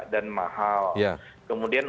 dan mahal kemudian